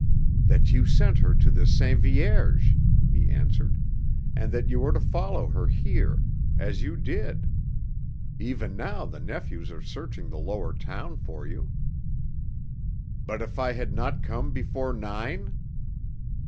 "That you had sent her to the Sainte Vierge," he answered, "and that you were to follow her here as you did. Even now the nephews are searching the lower town for you." "But if I had not come before nine?"